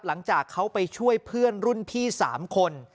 หลังจากเขาไปช่วยเพื่อนรุ่นพี่๓คน